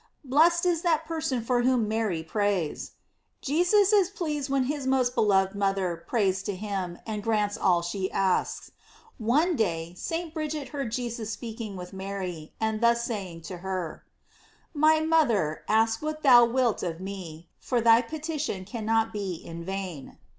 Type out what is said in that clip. Blessed is that per son for whom Mary prays! Jesus is pleased when his most beloved mother prays to him, and grants all she asks. One day St. Bridget heard Jesus speaking with Mary, and thus say ing to her: "My mother, ask what thou wilt of * Surius die 22; Aprilis. GLORIES OF MARYe me, for thy petition cannot be in vain."